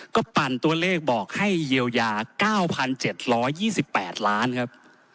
ก็ปั่นตัวเลขบอกให้เยียวยา๙๗๒๘ล้านครับ